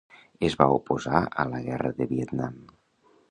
Es va oposar a la guerra de Vietnam.